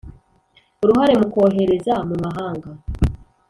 uruhare mu kohereza mu mahanga